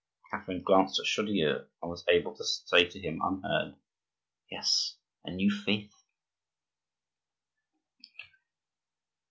Catherine glanced at Chaudieu and was able to say to him unheard:— "Yes, a new faith!"